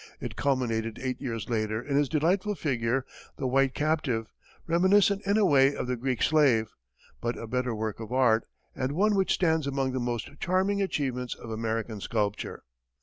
It culminated eight years later in his delightful figure, the "White Captive," reminiscent in a way of the "Greek Slave," but a better work of art, and one which stands among the most charming achievements of American sculpture.